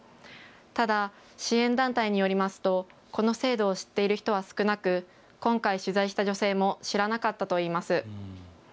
ただ、支援団体によりますとこの制度を知っている人は少なく今回、取材した女性も知らなかったといいます。